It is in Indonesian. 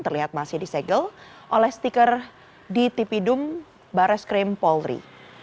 terlihat masih disegel oleh stiker dtp dum barres krim polri